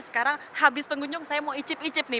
sekarang habis pengunjung saya mau icip icip nih